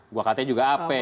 gua katanya juga ap